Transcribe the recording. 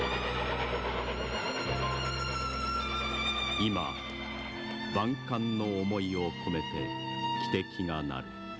今万感の思いを込めて汽笛が鳴る。